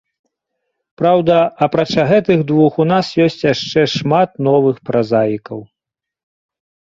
Праўда, апрача гэтых двух, у нас ёсць яшчэ шмат новых празаікаў.